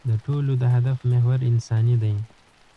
د ټولو د هدف محور انساني دی.